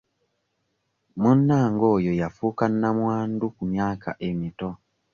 Munnange oyo yafuuka namwandu ku myaka emito.